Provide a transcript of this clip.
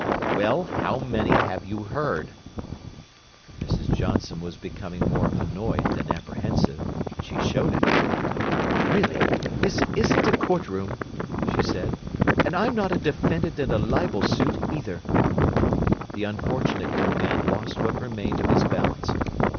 "Well, how many have you heard?" Mrs. Johnson was becoming more annoyed than apprehensive, and she showed it. "Really, this isn't a court room," she said. "And I'm not a defendant in a libel suit, either!" The unfortunate young man lost what remained of his balance.